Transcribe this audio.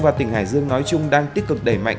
và tỉnh hải dương nói chung đang tích cực đẩy mạnh